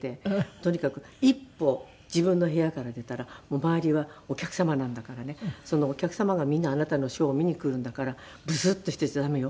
「とにかく一歩自分の部屋から出たら周りはお客様なんだからねそのお客様がみんなあなたのショーを見に来るんだからぶすっとしてちゃ駄目よ。